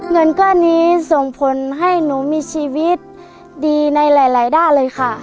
เงินก้อนนี้ส่งผลให้หนูมีชีวิตดีในหลายด้านเลยค่ะ